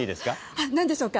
あ何でしょうか？